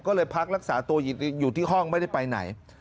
ก็เลยพักรักษาตัวอยู่ที่ห้องไม่ได้ไปไหน